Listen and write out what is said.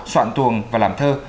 soạn tuồng và làm thơ